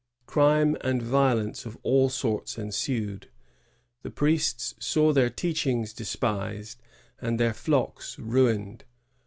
Crime and violence of all sorts ensued; the priests saw their teachings despised and their flocks ruined.